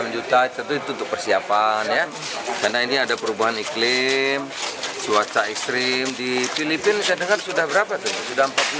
tiga enam juta tentu itu untuk persiapan ya karena ini ada perubahan iklim suaca ekstrim di filipina saya dengar sudah berapa tuh sudah empat puluh lima derajat ya